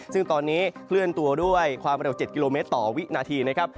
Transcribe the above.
ซึ่งตอนนี้เคลื่อนตัวด้วยความระดับ๗กิโลเมตรต่อวินาที